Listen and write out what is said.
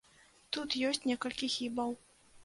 Тут ёсць некалькі хібаў.